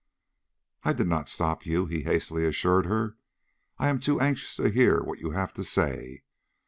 "I did not stop you," he hastily assured her. "I am too anxious to hear what you have to say.